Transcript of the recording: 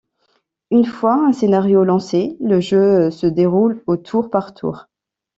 Une fois un scénario lancé, le jeu se déroule au tour par tour.